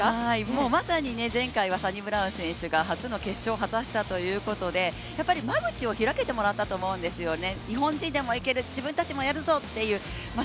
もうまさに前回は、サニブラウン選手が初の決勝を果たしたということでやっぱり間口を開けてもらったんですよね。